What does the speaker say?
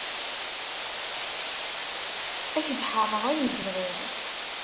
Ad k-d-ḥeṛṛeɣ ayen tebɣiḍ.